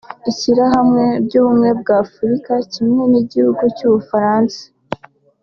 Ishyirahamwer ry’Ubumwe bwa Afrika kimwe n’igihugu cy’Ubufaransa